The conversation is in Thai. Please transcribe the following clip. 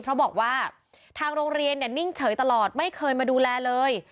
เพราะบอกว่าทางโรงเรียนนิ่งเฉยตลอดไม่เคยมาดูแลเลย